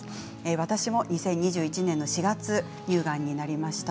私も２０２１年４月に乳がんになりました。